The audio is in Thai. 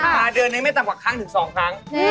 เดือนนึงไม่ต่ำกว่าครั้งถึง๒ครั้ง